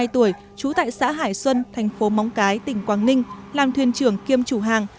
hai mươi tuổi trú tại xã hải xuân thành phố móng cái tỉnh quảng ninh làm thuyền trưởng kiêm chủ hàng